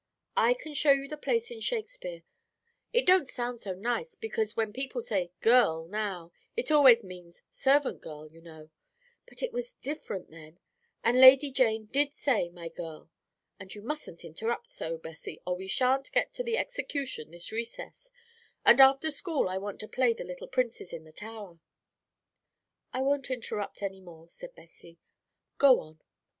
I can show you the place in Shakespeare. It don't sound so nice, because when people say 'girl,' now, it always means servant girl, you know; but it was different then; and Lady Jane did say 'my girl.' And you mustn't interrupt so, Bessie, or we shan't get to the execution this recess, and after school I want to play the little Princes in the Tower." "I won't interrupt any more," said Bessie; "go on."